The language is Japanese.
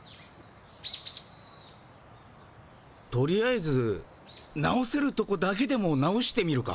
とりあえず直せるとこだけでも直してみるか。